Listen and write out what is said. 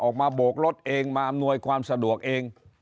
โบกรถเองมาอำนวยความสะดวกเอง